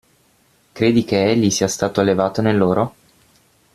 Credi che egli sia stato allevato nell'oro?